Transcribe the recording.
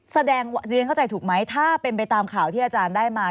แสดงเรียนเข้าใจถูกไหมถ้าเป็นไปตามข่าวที่อาจารย์ได้มา